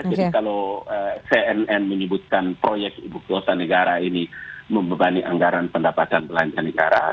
jadi kalau cnn menyebutkan proyek ibu kota negara ini membebani anggaran pendapatan belanja negara